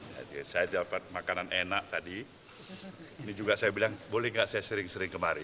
saya dapat makanan enak tadi ini juga saya bilang boleh nggak saya sering sering kemari